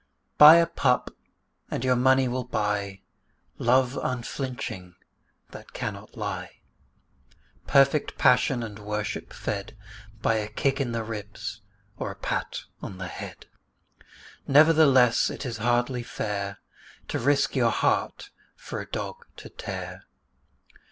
Buy a pup and your money will buy Love unflinching that cannot lie Perfect passion and worship fed By a kick in the ribs or a pat on the head. Nevertheless it is hardly fair To risk your heart for a dog to tear.